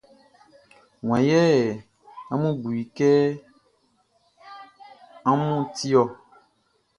Wan yɛ amun bu i kɛ amun ti ɔ?